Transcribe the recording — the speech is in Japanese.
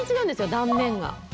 断面が。